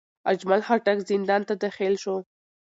اجمل خټک زندان ته داخل شو.